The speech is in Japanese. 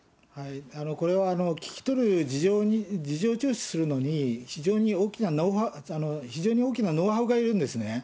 これは聞き取る事情、事情聴取するのに、非常に大きなノウハウがいるんですね。